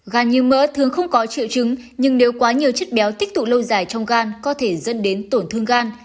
gà như mỡ thường không có triệu chứng nhưng nếu quá nhiều chất béo tích tụ lâu dài trong gan có thể dẫn đến tổn thương gan